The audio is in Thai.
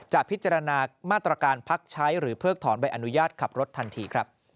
พิจารณามาตรการพักใช้หรือเพิกถอนใบอนุญาตขับรถทันทีครับ